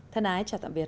thân ái chào tạm biệt